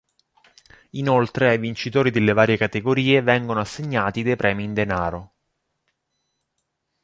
Inoltre ai vincitori delle varie categorie vengono assegnati dei premi in denaro.